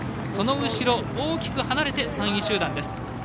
その後ろ大きく離れて３位集団です。